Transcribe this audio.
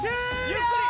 ゆっくり。